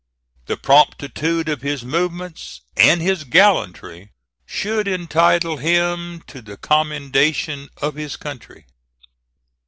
The promptitude of his movements and his gallantry should entitle him to the commendation of his country.